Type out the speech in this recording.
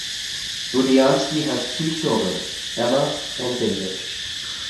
Budiansky has two children: Emma and David.